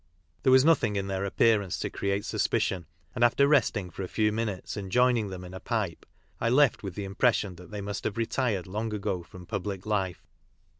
There was nothing in their appear ance to create suspicion, and after resting for a few minutes and joining them in a pipe, I left with the impression that they must have retired long ago from public life.